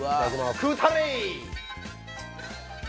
食うたれ！